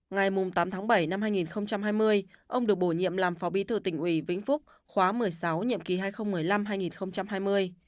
ngày tám tháng bảy năm hai nghìn hai mươi ông được bổ nhiệm làm phó bí thư tỉnh ủy vĩnh phúc khóa một mươi sáu nhiệm kỳ hai nghìn một mươi năm hai nghìn hai mươi